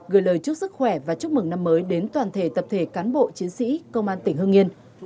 gửi lời chúc sức khỏe và chúc mừng năm mới đến toàn thể tập thể cán bộ chiến sĩ công an tỉnh hương yên